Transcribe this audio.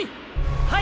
はい！